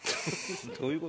どういう事？